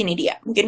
ini dia mungkin